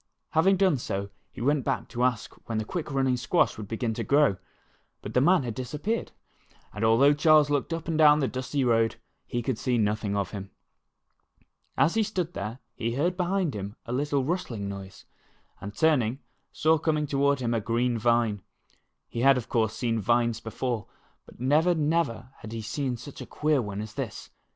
Having done so, he went back to ask when the quick running squash would begin to grow. But the man had disappeared, and al though Charles looked up and down the dusty road, he could see nothing of him. As he stood there, he heard behind him a little rustling noise, and turning, saw coming toward him a green vine. He had, of course, seen vines before, but never, never had he seen such a queer one as this.